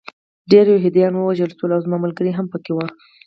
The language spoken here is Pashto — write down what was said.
ډېر یهودان ووژل شول او زما ملګري هم پکې وو